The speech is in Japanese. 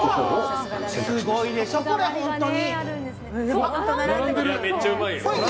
すごいでしょこれ、本当に。